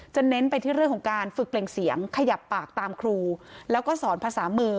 เน้นไปที่เรื่องของการฝึกเปล่งเสียงขยับปากตามครูแล้วก็สอนภาษามือ